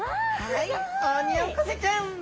はいオニオコゼちゃん！